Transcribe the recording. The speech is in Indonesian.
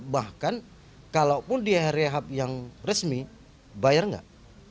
bahkan kalaupun dia rehab yang resmi bayar nggak